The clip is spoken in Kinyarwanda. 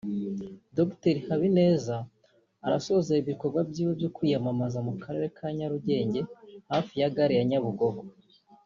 Dr Habineza arasoreza ibikorwa bye byo kwiyamamaza mu karere ka Nyarugenge hafi ya Gare ya Nyabugogo